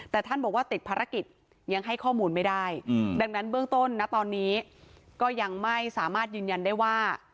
แต่ท่านบอกว่าติดภารกิจยังให้ข้อมูลไม่ได้ดังนั้นเบื้องต้นนะตอนนี้ก็ยังไม่สามารถยืนยันได้ว่า